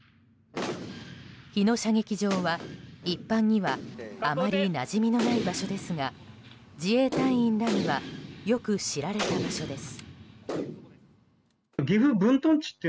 日野射撃場は、一般にはあまりなじみのない場所ですが自衛隊員らにはよく知られた場所です。